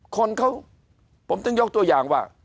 คนเขาผมถึงยกตัวอย่างว่า